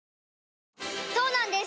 そうなんです